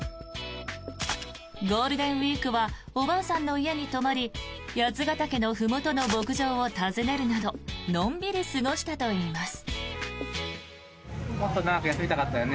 ゴールデンウィークはおばあさんの家に泊まり八ケ岳のふもとの牧場を訪ねるなどのんびり過ごしたといいます。